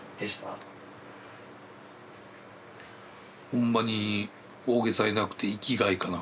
ほんまに大げさやなくて生きがいかな。